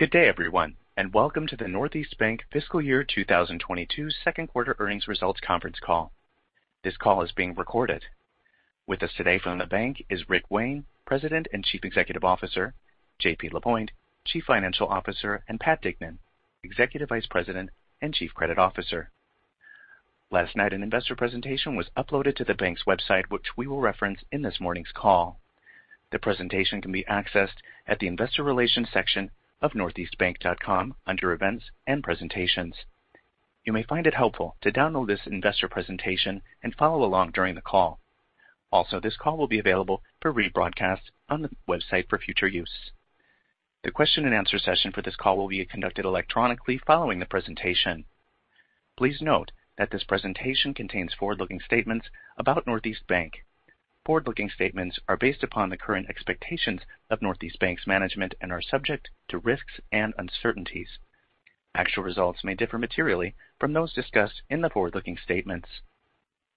Good day, everyone, and welcome to the Northeast Bank Fiscal Year 2022 Second Quarter Earnings Results Conference Call. This call is being recorded. With us today from the bank is Rick Wayne, President and Chief Executive Officer, JP Lapointe, Chief Financial Officer, and Patrick Dignan, Executive Vice President and Chief Credit Officer. Last night, an investor presentation was uploaded to the bank's website, which we will reference in this morning's call. The presentation can be accessed at the investor relations section of northeastbank.com under events and presentations. You may find it helpful to download this investor presentation and follow along during the call. Also, this call will be available for rebroadcast on the website for future use. The question and answer session for this call will be conducted electronically following the presentation. Please note that this presentation contains forward-looking statements about Northeast Bank. Forward-looking statements are based upon the current expectations of Northeast Bank's management and are subject to risks and uncertainties. Actual results may differ materially from those discussed in the forward-looking statements.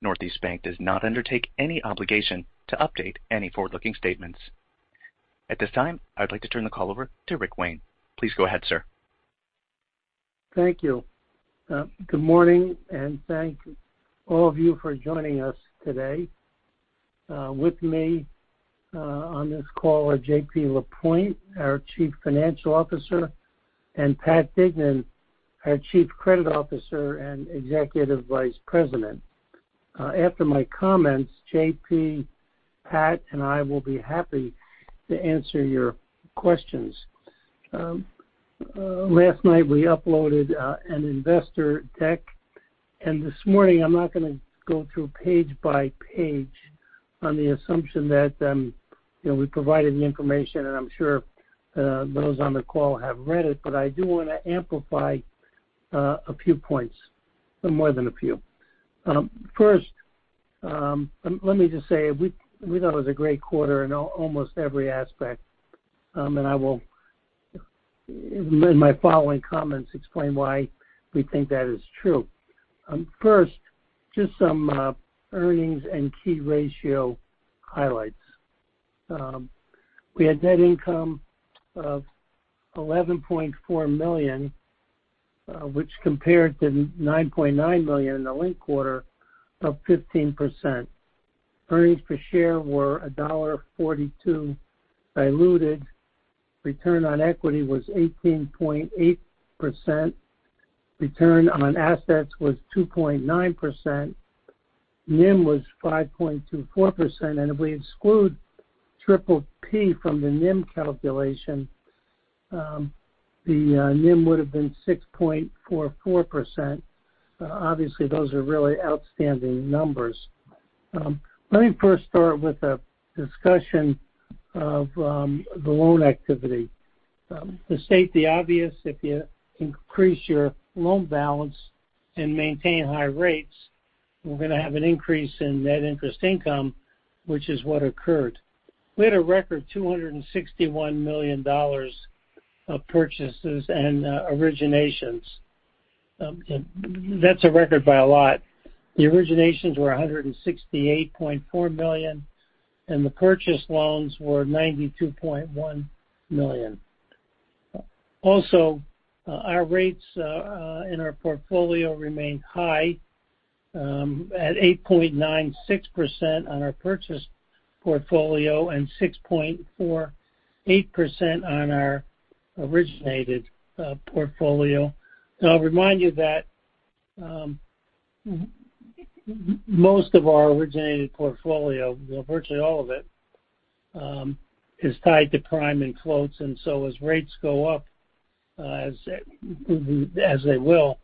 Northeast Bank does not undertake any obligation to update any forward-looking statements. At this time, I'd like to turn the call over to Rick Wayne. Please go ahead, sir. Thank you. Good morning, and thank all of you for joining us today. With me, on this call are JP Lapointe, our Chief Financial Officer, and Pat Dignan, our Chief Credit Officer and Executive Vice President. After my comments, JP, Pat, and I will be happy to answer your questions. Last night we uploaded an investor deck, and this morning I'm not gonna go through page by page on the assumption that, you know, we provided the information and I'm sure, those on the call have read it, but I do wanna amplify a few points. More than a few. First, let me just say, we thought it was a great quarter in almost every aspect. I will in my following comments explain why we think that is true. First, just some earnings and key ratio highlights. We had net income of $11.4 million, which compared to $9.9 million in the linked quarter, 15%. Earnings per share were $1.42 diluted. Return on equity was 18.8%. Return on assets was 2.9%. NIM was 5.24%, and if we exclude PPP from the NIM calculation, the NIM would have been 6.44%. Obviously, those are really outstanding numbers. Let me first start with a discussion of the loan activity. To state the obvious, if you increase your loan balance and maintain high rates, we're gonna have an increase in net interest income, which is what occurred. We had a record $261 million of purchases and originations. That's a record by a lot. The originations were $168.4 million, and the purchase loans were $92.1 million. Also, our rates in our portfolio remained high at 8.96% on our purchase portfolio and 6.48% on our originated portfolio. I'll remind you that most of our originated portfolio, well, virtually all of it, is tied to prime and floats, and so as rates go up, as they will,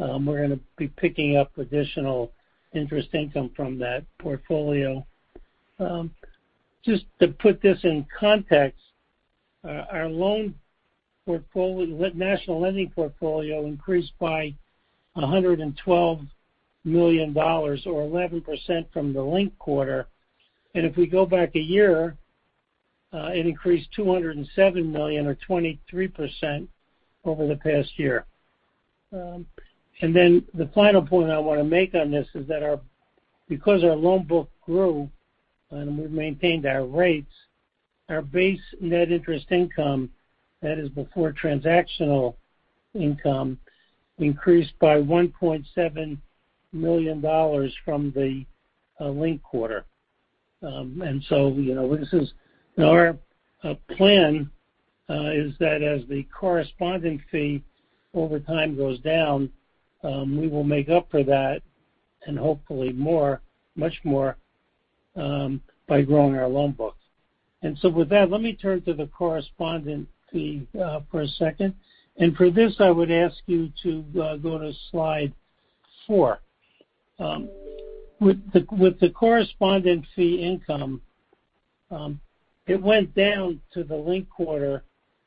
we're gonna be picking up additional interest income from that portfolio. Just to put this in context, our loan portfolio with national lending portfolio increased by $112 million or 11% from the linked quarter. If we go back a year, it increased $207 million or 23% over the past year. Then the final point I wanna make on this is that our loan book grew and we've maintained our rates, our base net interest income, that is before transactional income, increased by $1.7 million from the linked quarter. You know, this is our plan is that as the correspondent fee over time goes down, we will make up for that and hopefully more, much more, by growing our loan book. With that, let me turn to the correspondent fee for a second. For this, I would ask you to go to slide four. With the correspondent fee income, it went down from the linked quarter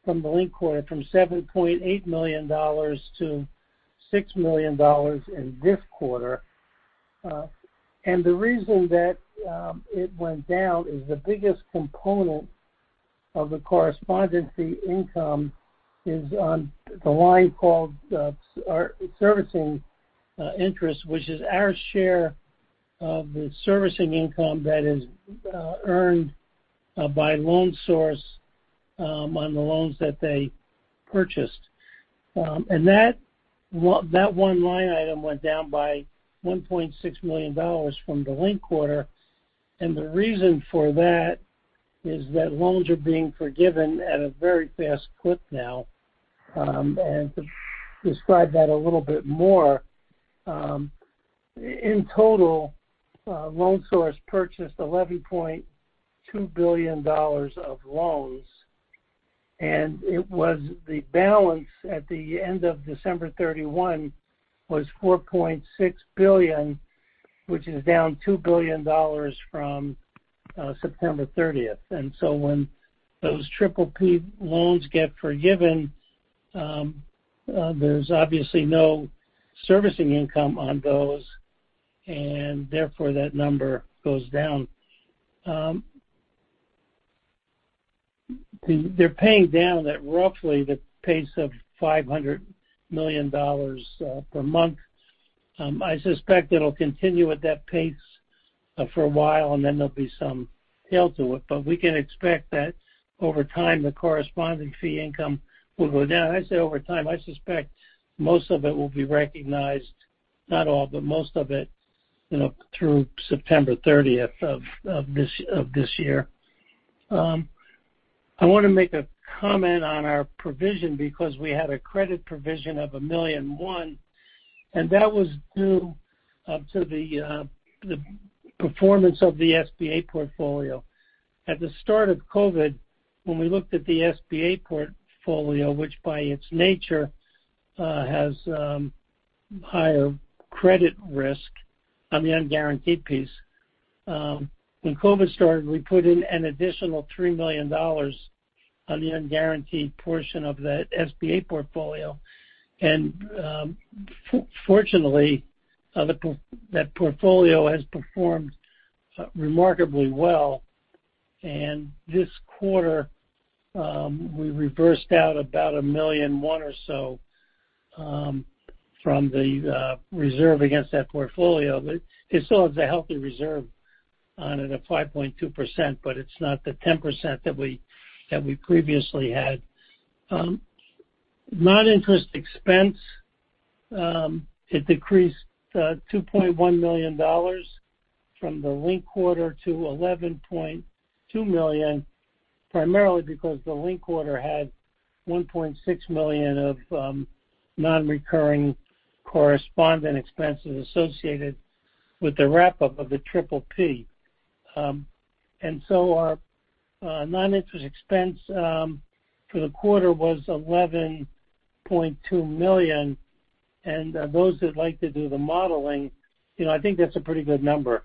from $7.8 million-$6 million in this quarter. The reason that it went down is the biggest component of the correspondent fee income is on the line called our servicing interest, which is our share of the servicing income that is earned by Loan Source on the loans that they purchased. That one line item went down by $1.6 million from the linked quarter. The reason for that is that loans are being forgiven at a very fast clip now. To describe that a little bit more, in total, The Loan Source purchased $11.2 billion of loans, and it was the balance at the end of December 31 was $4.6 billion, which is down $2 billion from September 30th. When those PPP loans get forgiven, there's obviously no servicing income on those, and therefore that number goes down. They're paying down at roughly the pace of $500 million per month. I suspect it'll continue at that pace for a while, and then there'll be some tail to it. We can expect that over time, the corresponding fee income will go down. I say over time, I suspect most of it will be recognized, not all, but most of it, you know, through September thirtieth of this year. I wanna make a comment on our provision because we had a credit provision of $1.1 million, and that was due to the performance of the SBA portfolio. At the start of COVID, when we looked at the SBA portfolio, which by its nature has higher credit risk on the unguaranteed piece. When COVID started, we put in an additional $3 million on the unguaranteed portion of that SBA portfolio. Fortunately, that portfolio has performed remarkably well. This quarter, we reversed out about $1.1 million or so from the reserve against that portfolio. It still has a healthy reserve on it at 5.2%, but it's not the 10% that we previously had. Non-interest expense decreased $2.1 million from the linked quarter to $11.2 million, primarily because the linked quarter had $1.6 million of non-recurring correspondent expenses associated with the wrap-up of the PPP. Our non-interest expense for the quarter was $11.2 million. Those that like to do the modeling, you know, I think that's a pretty good number.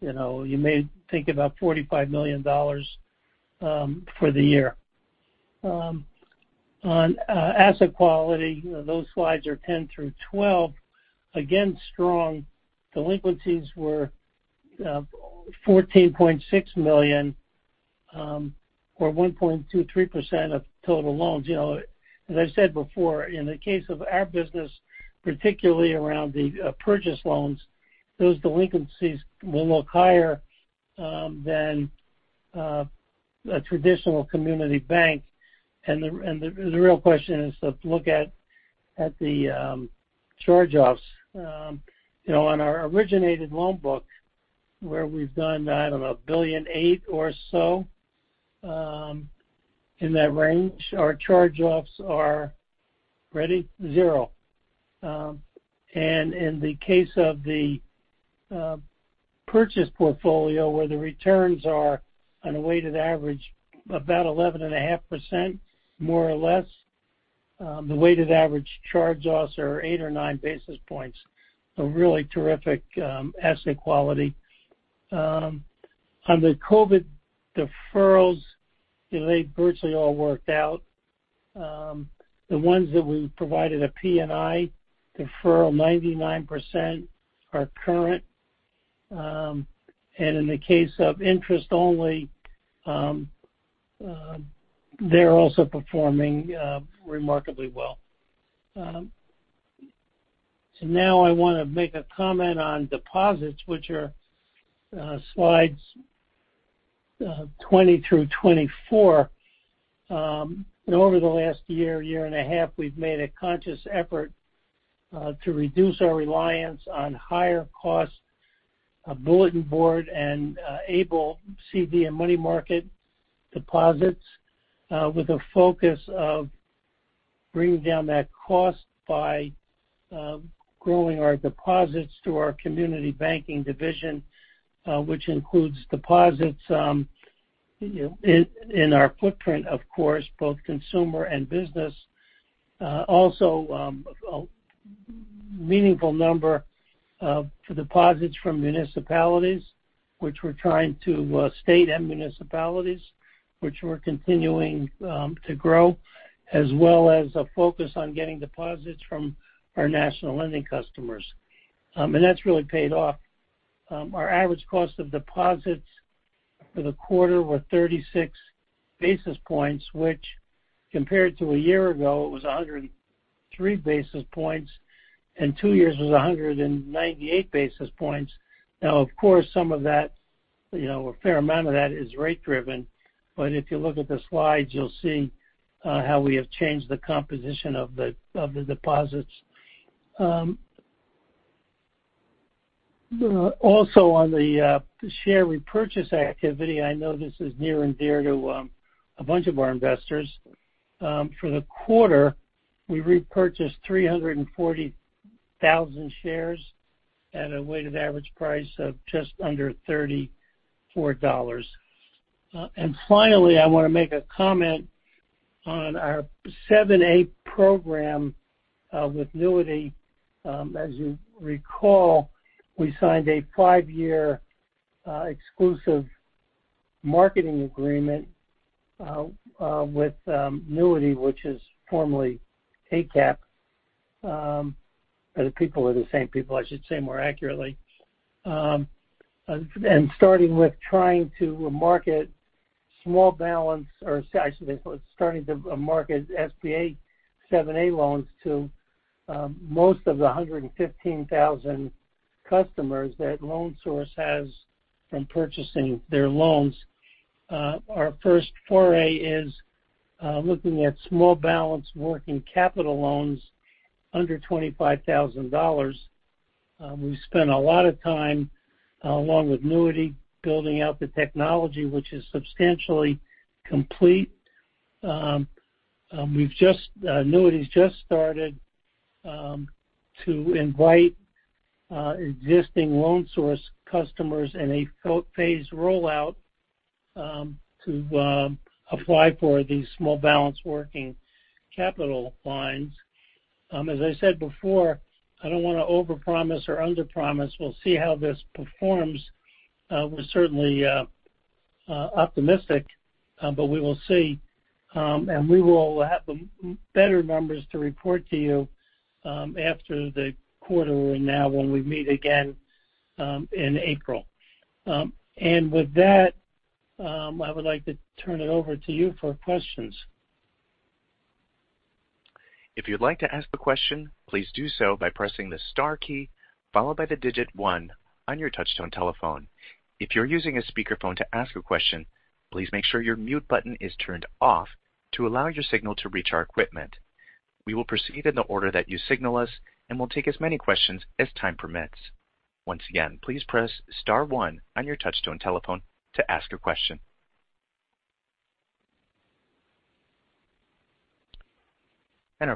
You know, you may think about $45 million for the year. On asset quality, you know, those slides are 10 through 12. Again, strong delinquencies were $14.6 million or 1.23% of total loans. You know, as I said before, in the case of our business, particularly around the purchase loans, those delinquencies will look higher than a traditional community bank. The real question is to look at the charge-offs. You know, on our originated loan book where we've done, I don't know, $1.8 billion or so in that range, our charge-offs are ready? Zero. In the case of the purchase portfolio, where the returns are on a weighted average about 11.5% more or less, the weighted average charge-offs are eight or nine basis points. A really terrific asset quality. On the COVID deferrals, you know, they virtually all worked out. The ones that we provided a P&I deferral, 99% are current. In the case of interest only, they're also performing remarkably well. Now I wanna make a comment on deposits, which are slides 20 through 24. Over the last year and a half, we've made a conscious effort to reduce our reliance on higher cost brokered and ableBanking CD and money market deposits, with a focus of bringing down that cost by growing our deposits through our community banking division, which includes deposits in our footprint, of course, both consumer and business. Also, a meaningful number for deposits from municipalities and state and municipalities, which we're continuing to grow, as well as a focus on getting deposits from our national lending customers. That's really paid off. Our average cost of deposits for the quarter were 36 basis points, which compared to a year ago, it was 103 basis points, and two years was 198 basis points. Now, of course, some of that, you know, a fair amount of that is rate driven, but if you look at the slides, you'll see how we have changed the composition of the deposits. Also on the share repurchase activity, I know this is near and dear to a bunch of our investors. For the quarter, we repurchased 340,000 shares at a weighted average price of just under $34. Finally, I wanna make a comment on our 7(a) program with NEWITY. As you recall, we signed a five-year exclusive marketing agreement with NEWITY, which is formerly ACAP. The people are the same people, I should say more accurately. Starting to market SBA 7(a) loans to most of the 115,000 customers that Loan Source has from purchasing their loans. Our first foray is looking at small balance working capital loans under $25,000. We spent a lot of time, along with NEWITY, building out the technology, which is substantially complete. NEWITY's just started to invite existing Loan Source customers in a phase rollout to apply for these small balance working capital lines. As I said before, I don't wanna overpromise or underpromise. We'll see how this performs. We're certainly optimistic, but we will see. We will have better numbers to report to you after the quarter we're in now when we meet again in April. With that, I would like to turn it over to you for questions. Our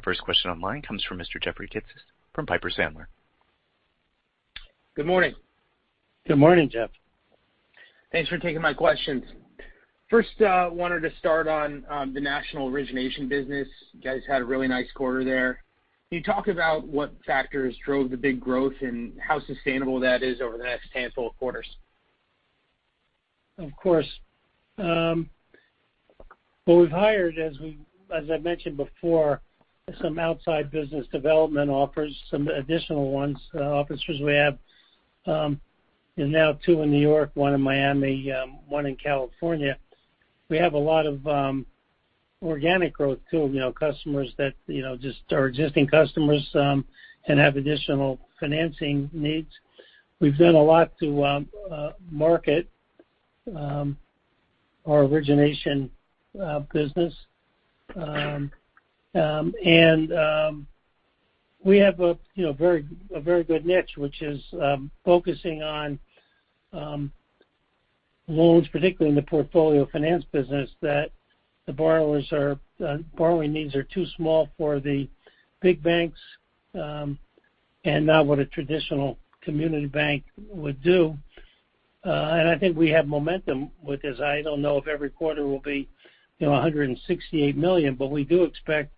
first question on the line comes from Mr. Jeffrey Kitsis from Piper Sandler. Good morning. Good morning, Jeff. Thanks for taking my questions. First, I wanted to start on the national origination business. You guys had a really nice quarter there. Can you talk about what factors drove the big growth and how sustainable that is over the next handful of quarters? Of course. Well, we've hired, as I mentioned before, some outside business development officers, some additional ones, officers we have, and now two in New York, one in Miami, one in California. We have a lot of organic growth too, you know, customers that, you know, just are existing customers and have additional financing needs. We've done a lot to market our origination business. We have a very good niche, which is focusing on loans, particularly in the portfolio finance business, that the borrowers' borrowing needs are too small for the big banks and not what a traditional community bank would do. I think we have momentum with this. I don't know if every quarter will be, you know, $168 million, but we do expect,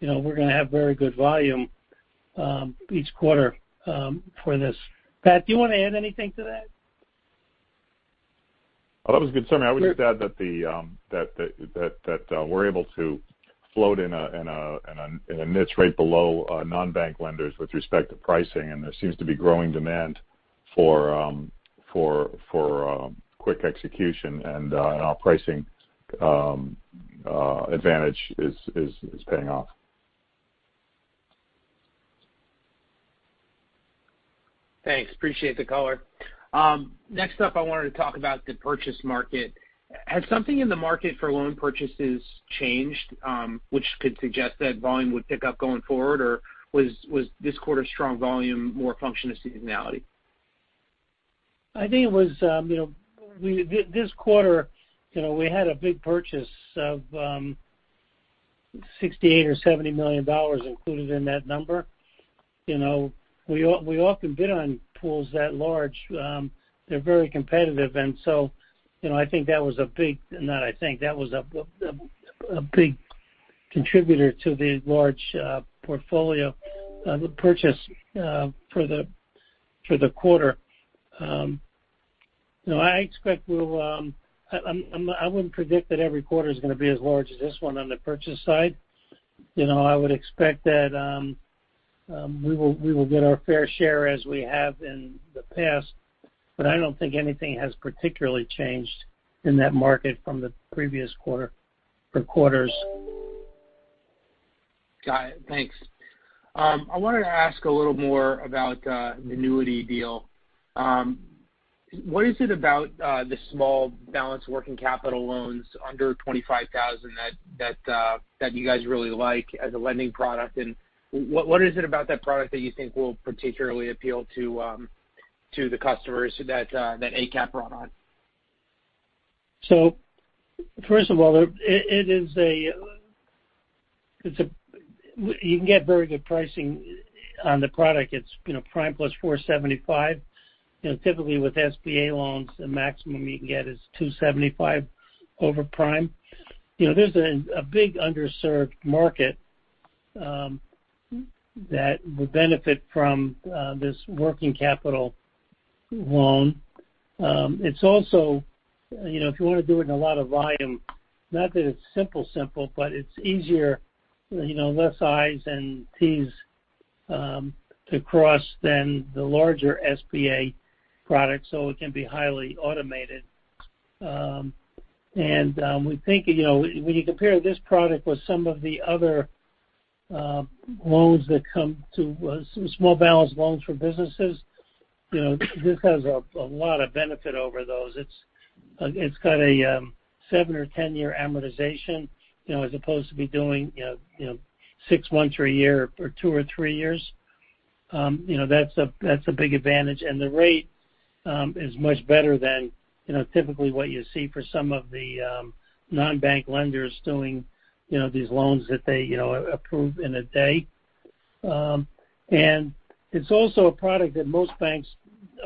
you know, we're gonna have very good volume each quarter for this. Pat, do you wanna add anything to that? Oh, that was a good summary. I would just add that we're able to float in a niche right below non-bank lenders with respect to pricing, and there seems to be growing demand for quick execution and our pricing advantage is paying off. Thanks. Appreciate the color. Next up, I wanted to talk about the purchase market. Has something in the market for loan purchases changed, which could suggest that volume would pick up going forward, or was this quarter's strong volume more a function of seasonality? I think it was, you know, this quarter, you know, we had a big purchase of $68 million or $70 million included in that number. You know, we often bid on pools that large. They're very competitive and so, you know, that was a big contributor to the large portfolio purchase for the quarter. You know, I expect we'll. I wouldn't predict that every quarter is gonna be as large as this one on the purchase side. You know, I would expect that we will get our fair share as we have in the past. I don't think anything has particularly changed in that market from the previous quarter or quarters. Got it. Thanks. I wanted to ask a little more about the NEWITY deal. What is it about the small balance working capital loans under $25,000 that you guys really like as a lending product? What is it about that product that you think will particularly appeal to the customers that ACAP brought on? You can get very good pricing on the product. It's you know prime plus 4.75. You know typically with SBA loans the maximum you can get is 2.75 over prime. You know there's a big underserved market that would benefit from this working capital loan. It's also you know if you wanna do it in a lot of volume not that it's simple but it's easier you know less i's and t's to cross than the larger SBA product so it can be highly automated. We think you know when you compare this product with some of the other commercial small balance loans for businesses you know this has a lot of benefit over those. It's got a seven- or 10-year amortization, you know, as opposed to doing, you know, six months or a year or two or three years. You know, that's a big advantage. The rate is much better than, you know, typically what you see for some of the non-bank lenders doing, you know, these loans that they, you know, approve in a day. It's also a product that most banks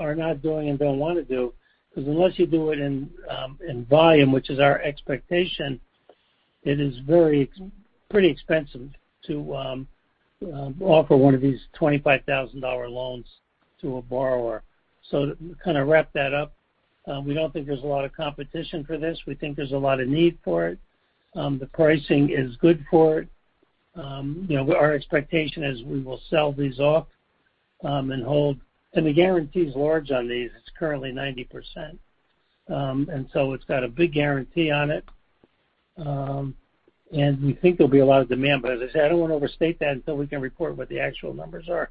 are not doing and don't want to do, because unless you do it in volume, which is our expectation, it is pretty expensive to offer one of these $25,000 loans to a borrower. To kind of wrap that up, we don't think there's a lot of competition for this. We think there's a lot of need for it. The pricing is good for it. You know, our expectation is we will sell these off and hold. The guarantee is large on these. It's currently 90%. It's got a big guarantee on it. We think there'll be a lot of demand, but as I said, I don't want to overstate that until we can report what the actual numbers are.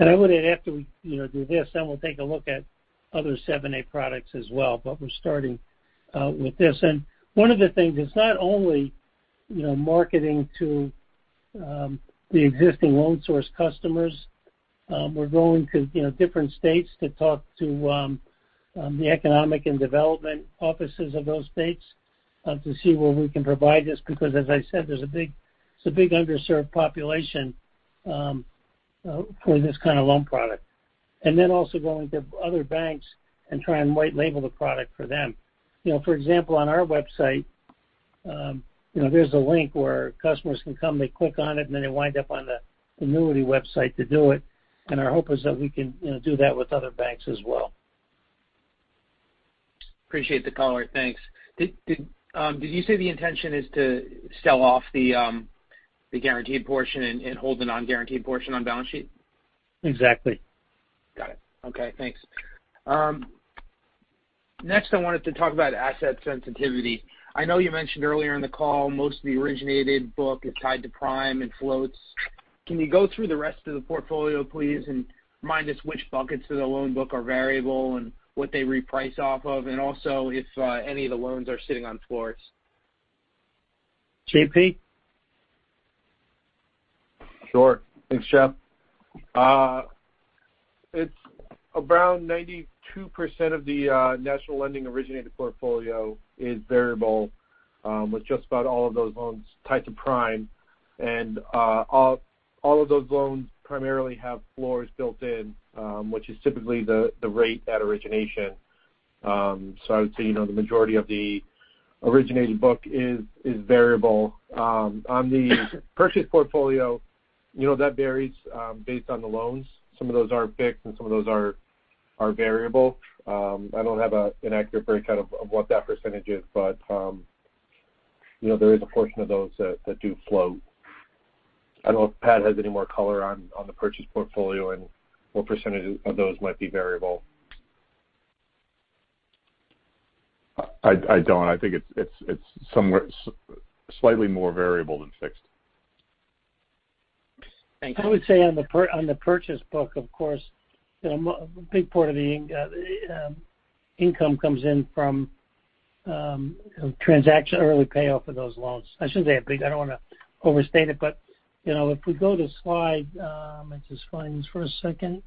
I would add, after we, you know, do this, then we'll take a look at other 7(a) products as well, but we're starting with this. One of the things, it's not only, you know, marketing to the existing Loan Source customers. We're going to, you know, different states to talk to the economic development offices of those states to see where we can provide this, because as I said, there's a big underserved population for this kind of loan product. Also going to other banks and try and white label the product for them. You know, for example, on our website, you know, there's a link where customers can come. They click on it, and then they wind up on the NEWITY website to do it. Our hope is that we can, you know, do that with other banks as well. Appreciate the color. Thanks. Did you say the intention is to sell off the guaranteed portion and hold the non-guaranteed portion on balance sheet? Exactly. Got it. Okay, thanks. Next, I wanted to talk about asset sensitivity. I know you mentioned earlier in the call most of the originated book is tied to prime and floats. Can you go through the rest of the portfolio, please, and remind us which buckets of the loan book are variable and what they reprice off of? Also, if any of the loans are sitting on floors. JP? Sure. Thanks, Jeff. It's around 92% of the national lending originated portfolio is variable, with just about all of those loans tied to prime. All of those loans primarily have floors built in, which is typically the rate at origination. I would say, you know, the majority of the originated book is variable. On the purchase portfolio, you know, that varies, based on the loans. Some of those are fixed, and some of those are variable. I don't have an accurate breakout of what that percentage is, but you know, there is a portion of those that do float. I don't know if Pat has any more color on the purchase portfolio and what percentage of those might be variable. I don't. I think it's somewhere slightly more variable than fixed. Thank you. I would say on the purchase book, of course, you know, a big part of the income comes in from early payoff of those loans. I shouldn't say a big, I don't want to overstate it, but, you know, if we go to slide, let's just find this for a second.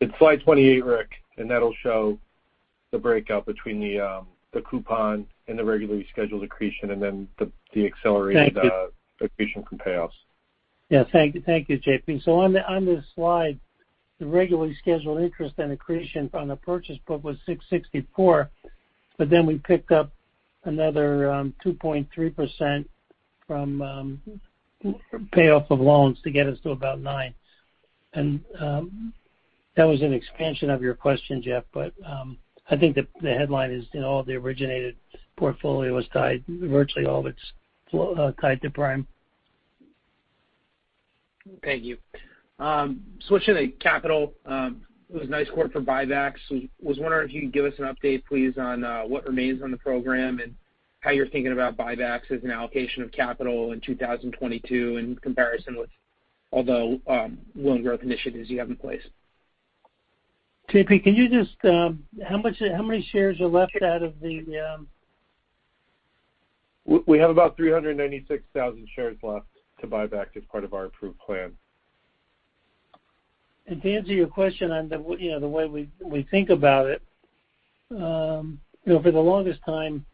It's slide 28, Rick, and that'll show the breakout between the coupon and the regularly scheduled accretion and then the accelerated- Thank you. Accretion from payoffs. Yeah. Thank you. Thank you, JP. On this slide, the regularly scheduled interest and accretion on the purchase book was 664, but then we picked up another 2.3% from payoff of loans to get us to about 9%. That was an expansion of your question, Jeff, but I think the headline is all of the originated portfolio is tied, virtually all of it's tied to prime. Thank you. Switching to capital, it was a nice quarter for buybacks. Was wondering if you could give us an update, please, on what remains on the program and how you're thinking about buybacks as an allocation of capital in 2022 in comparison with all the loan growth initiatives you have in place. JP, can you just how many shares are left out of the? We have about 396,000 shares left to buy back as part of our approved plan. To answer your question on the, you know, the way we think about it, you know, for the longest time,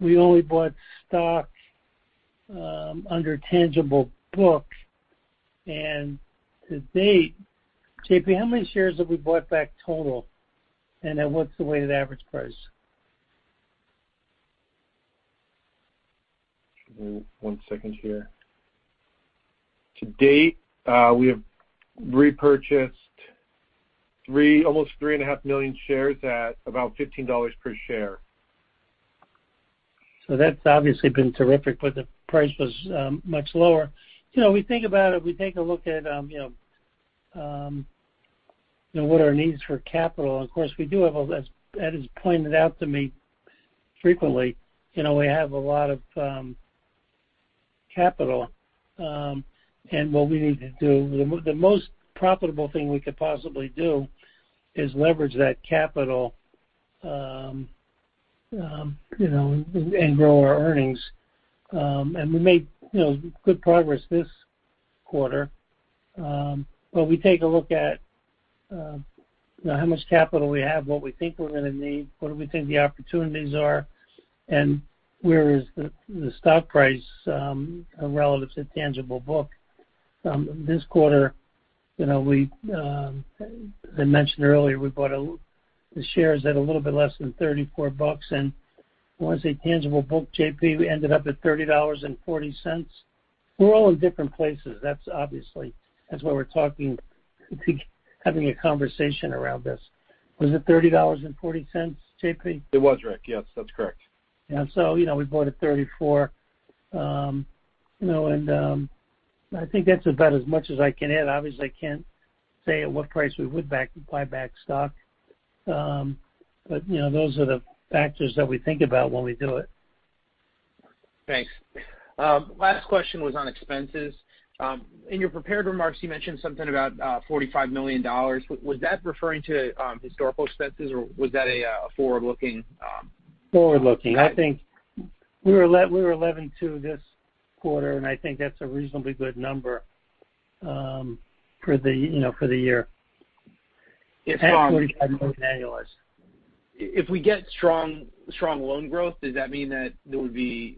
we only bought stock under tangible book. To date, JP, how many shares have we bought back total? Then what's the weighted average price? Give me one second here. To date, we have repurchased 3, almost 3.5 million shares at about $15 per share. That's obviously been terrific, but the price was much lower. You know, we think about it, we take a look at you know, you know, what are our needs for capital. Of course, we do have all this. That is pointed out to me frequently. You know, we have a lot of capital, and what we need to do. The most profitable thing we could possibly do is leverage that capital, you know, and grow our earnings. We made you know, good progress this quarter. We take a look at how much capital we have, what we think we're gonna need, what do we think the opportunities are, and where is the stock price relative to tangible book. This quarter, you know, as I mentioned earlier, we bought the shares at a little bit less than $34. I wanna say tangible book, JP, we ended up at $30.40. We're all in different places. That's obviously why we're talking, I think, having a conversation around this. Was it $30.40, JP? It was, Rick. Yes, that's correct. Yeah. You know, we bought at $34. You know, I think that's about as much as I can add. Obviously, I can't say at what price we would buy back stock. You know, those are the factors that we think about when we do it. Thanks. Last question was on expenses. In your prepared remarks, you mentioned something about $45 million. Was that referring to historical expenses, or was that a forward-looking Forward-looking. I think we were 11.2 this quarter, and I think that's a reasonably good number, you know, for the year. If At $45 million annualized. If we get strong loan growth, does that mean that there would be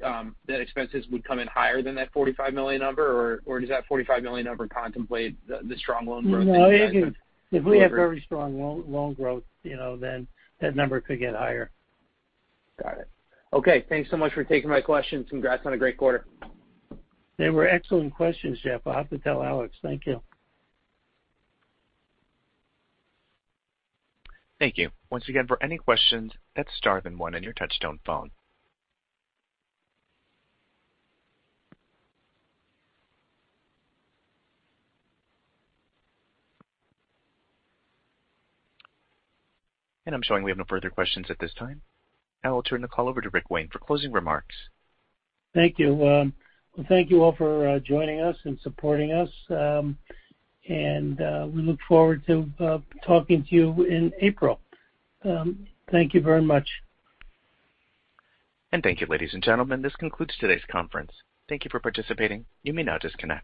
that expenses would come in higher than that $45 million number? Or does that $45 million number contemplate the strong loan growth that you guys have delivered? No, if we have very strong loan growth, you know, then that number could get higher. Got it. Okay, thanks so much for taking my questions. Congrats on a great quarter. They were excellent questions, Jeff. I'll have to tell Alex. Thank you. Thank you. Once again, for any questions, hit star then one on your touchtone phone. I'm showing we have no further questions at this time. I will turn the call over to Rick Wayne for closing remarks. Thank you. Thank you all for joining us and supporting us. We look forward to talking to you in April. Thank you very much. Thank you, ladies and gentlemen. This concludes today's conference. Thank you for participating. You may now disconnect.